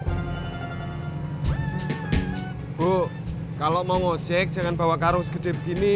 ibu kalau mau ngojek jangan bawa karung segede begini